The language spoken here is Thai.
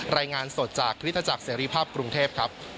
รายงานสดของคริสตจากเสรีภาพกรุงเทพ